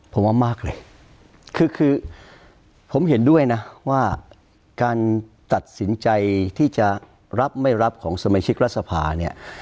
ผมว่ามากเลยคือคือผมเห็นด้วยนะว่าการตัดสินใจที่จะรับไม่รับของสมาชิกรัฐสภาเนี่ย